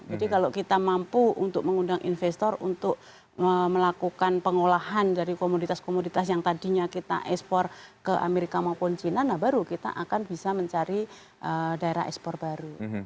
jadi kalau kita mampu untuk mengundang investor untuk melakukan pengolahan dari komoditas komoditas yang tadinya kita ekspor ke amerika maupun china baru kita akan bisa mencari daerah ekspor baru